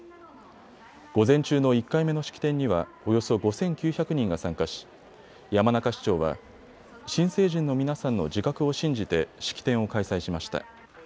午前中の１回目の式典にはおよそ５９００人が参加し山中市長は新成人の皆さんの自覚を信じて式典を開催しました。